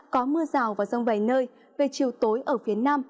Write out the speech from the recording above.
có dòng vài nơi về chiều tối ở phía nam